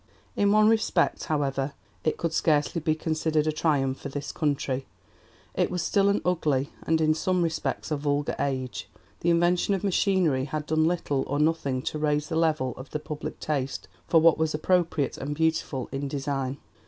In one respect, however, it could scarcely be considered a triumph for this country. It was still an ugly, and in some respects a vulgar, age. The invention of machinery had done little or nothing to raise the level of the public taste for what was appropriate and beautiful in design.